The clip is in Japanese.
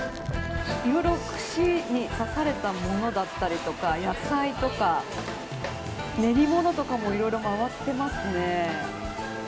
いろいろ串に刺されたものだったりとか野菜とか練り物とかもいろいろ回っていますね。